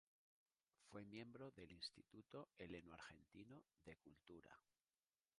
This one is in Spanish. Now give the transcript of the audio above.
Fue miembro del Instituto Heleno-Argentino de Cultura.